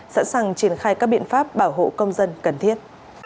sẵn sàng triển khai các biện pháp bảo hộ công dân cần thiết